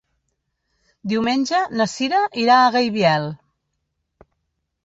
Diumenge na Cira irà a Gaibiel.